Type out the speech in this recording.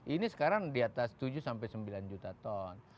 ini sekarang di atas tujuh sampai sembilan juta ton